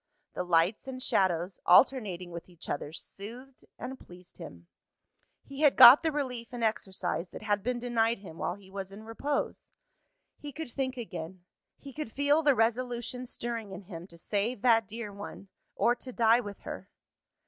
The lights and shadows, alternating with each other, soothed and pleased him. He had got the relief in exercise that had been denied him while he was in repose. He could think again; he could feel the resolution stirring in him to save that dear one, or to die with her.